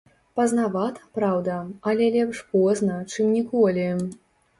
Пазнавата, праўда, але лепш позна, чым ніколі.